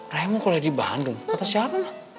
raya mau kuliah di bandung kata siapa